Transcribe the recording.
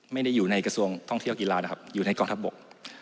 ไม่ได้อยู่ในกระทรวงท่องเที่ยวกีฬานะครับอยู่ในกองทัพบก